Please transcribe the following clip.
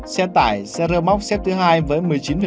xe tải xe rơ móc xếp thứ hai với một mươi chín